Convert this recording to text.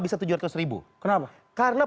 bisa tujuh ratus ribu kenapa karena